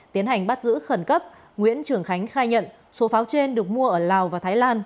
tiến hành bắt giữ khẩn cấp nguyễn trường khánh khai nhận số pháo trên được mua ở lào và thái lan